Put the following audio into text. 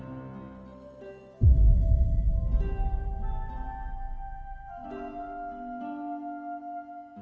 aku emang pake itu prens